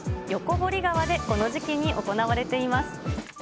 ぼり川でこの時期に行われています。